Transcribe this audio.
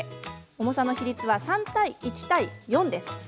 重さの比率は３対１対４です。